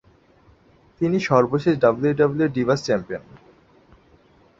তিনি সর্বশেষ WWE divas champion.